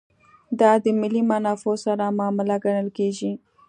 دا د ملي منافعو سره معامله ګڼل کېږي.